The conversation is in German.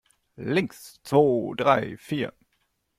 Links, zwo, drei, vier!